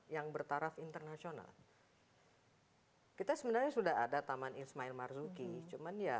yang bertaraf internasional kita sebenarnya sudah ada taman ismail marzuki cuman ya